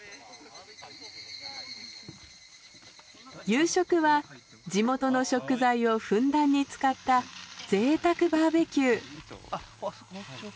夕食は地元の食材をふんだんに使ったぜいたくバーベキュー。